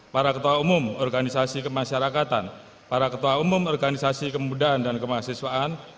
para ketua umum organisasi kemasyarakatan para ketua umum organisasi kemudahan dan kemahasiswaan